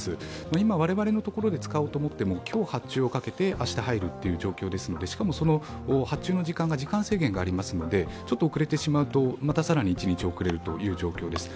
今、我々のところで使おうと思っても、今日発注をかけて明日、入るという状況ですのでしかも、発注の時間が時間制限がありますので、ちょっと遅れてしまうとまた更に１日遅れるという状況です。